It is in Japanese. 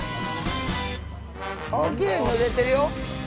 あっきれいに塗れてるよ。